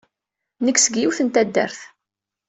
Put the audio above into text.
Nekk seg yiwet n taddart.